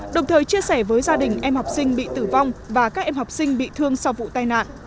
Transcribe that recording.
đồng thời chia sẻ với gia đình em học sinh bị tử vong và các em học sinh bị thương sau vụ tai nạn